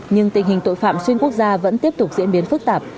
nhưng tình hình tội phạm xuyên quốc gia vẫn tiếp tục diễn biến phức tạp